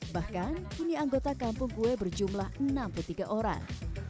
bahkan kini anggota kampung kue berjumlah enam puluh tiga orang